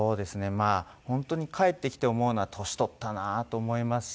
まあ本当に帰ってきて思うのは年取ったなと思いますし。